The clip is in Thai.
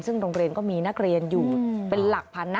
ซึ่งโรงเรียนก็มีนักเรียนอยู่เป็นหลักพันนะ